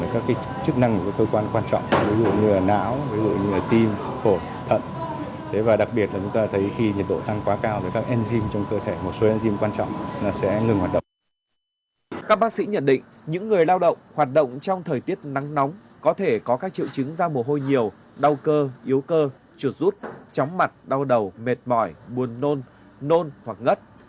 các bác sĩ nhận định những người lao động hoạt động trong thời tiết nắng nóng có thể có các triệu chứng da mồ hôi nhiều đau cơ yếu cơ chuột rút chóng mặt đau đầu mệt mỏi buồn nôn nôn hoặc ngất